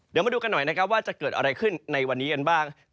เดี๋ยวมาดูกันหน่อยนะครับว่าจะเกิดอะไรขึ้นในวันนี้กันบ้าง